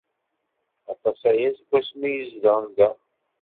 Aṭas aya seg wasmi ay zedɣen da.